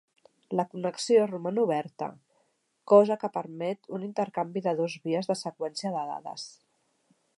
La connexió roman oberta, cosa que permet un intercanvi de dos vies de seqüència de dades.